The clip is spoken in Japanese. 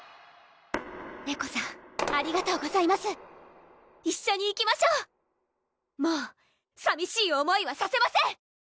ネコさんありがとうございます一緒に行きましょうもうさみしい思いはさせません！